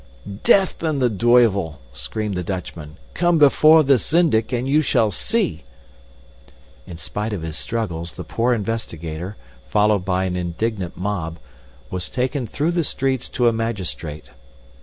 "Death and the tuyvel!" screamed the Dutchman, "come before the Syndic and you shall see!" In spite of his struggles the poor investigator, followed by an indignant mob, was taken through the streets to a magistrate.